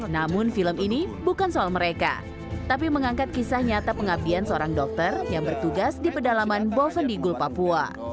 namun film ini bukan soal mereka tapi mengangkat kisah nyata pengabdian seorang dokter yang bertugas di pedalaman bovendi gull papua